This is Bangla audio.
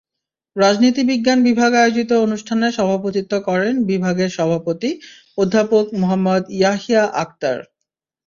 রাজনীতিবিজ্ঞান বিভাগ আয়োজিত অনুষ্ঠানে সভাপতিত্ব করেন বিভাগের সভাপতি অধ্যাপক মুহাম্মদ ইয়াহ্ইয়া আখতার।